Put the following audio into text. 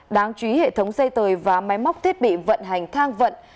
đáng chú ý hệ thống dây tời và máy móc thiết bị vận hành thang vận